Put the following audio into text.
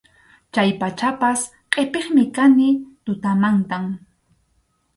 Chay pachapas qʼipiqmi kani tutamantam.